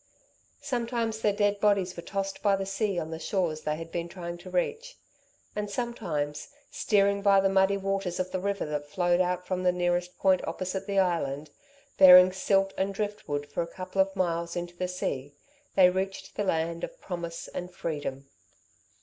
Sometimes their dead bodies were tossed by the sea on the shores they had been trying to reach, and sometimes, steering by the muddy waters of the river that flowed out from the nearest point opposite the Island, bearing silt and drift wood for a couple of miles into the sea, they reached the land of promise and freedom.